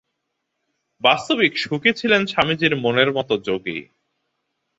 বাস্তবিক, শুকই ছিলেন স্বামীজীর মনের মত যোগী।